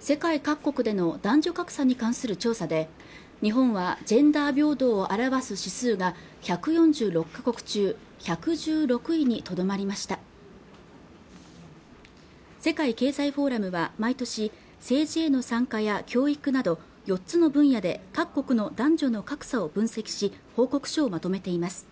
世界各国の男女格差に関する調査で日本はジェンダー平等を表す指数が１４６か国中１１６位にとどまりました世界経済フォーラムは毎年政治への参加や教育など４つの分野で各国の男女の格差を分析し報告書をまとめています